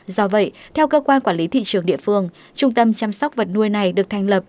do vậy theo cơ quan quản lý thị trường địa phương trung tâm chăm sóc vật nuôi này được thành lập